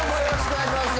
お願いします。